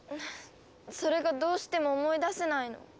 それがどうしても思い出せないの。